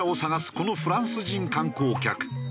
このフランス人観光客